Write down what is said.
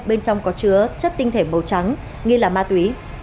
bên trong có chứa chất tinh thể màu trắng nghi là ma túy